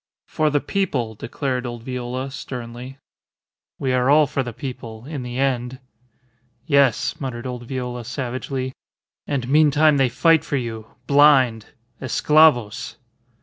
"For the people," declared old Viola, sternly. "We are all for the people in the end." "Yes," muttered old Viola, savagely. "And meantime they fight for you. Blind. Esclavos!"